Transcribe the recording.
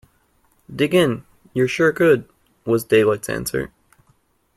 Dig in; you're sure good, was Daylight's answer.